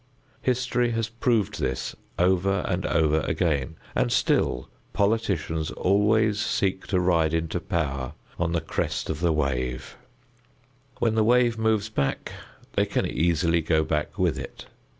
History has proved this over and over again, and still politicians always seek to ride into power on the crest of the wave; when the wave moves back, they can easily go back with it.